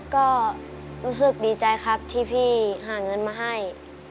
ก็รู้สึกดีใจครับที่พี่หาเงินมาให้